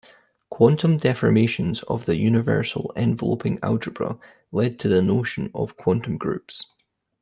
Quantum deformations of the universal enveloping algebra lead to the notion of quantum groups.